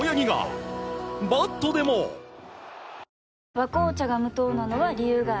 「和紅茶」が無糖なのは、理由があるんよ。